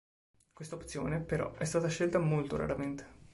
Questa opzione, però, è stata scelta molto raramente.